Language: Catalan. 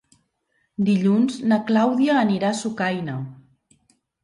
Dilluns na Clàudia anirà a Sucaina.